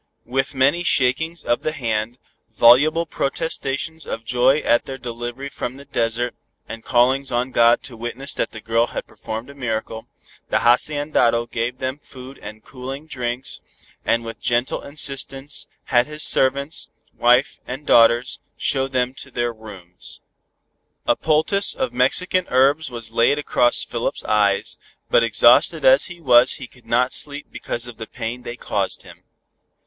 With many shakings of the hand, voluble protestations of joy at their delivery from the desert, and callings on God to witness that the girl had performed a miracle, the haciendado gave them food and cooling drinks, and with gentle insistence, had his servants, wife and daughters show them to their rooms. A poultice of Mexican herbs was laid across Philip's eyes, but exhausted as he was he could not sleep because of the pain they caused him.